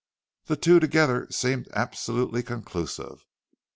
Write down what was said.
The two together seemed absolutely conclusive.